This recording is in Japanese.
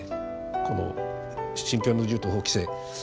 この「信教の自由」と法規制